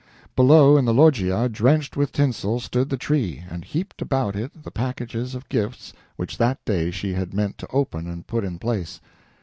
Below, in the loggia, drenched with tinsel, stood the tree, and heaped about it the packages of gifts which that day she had meant to open and put in place.